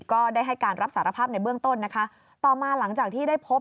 ก็ได้ให้การรับสารภาพในเบื้องต้นนะคะต่อมาหลังจากที่ได้พบ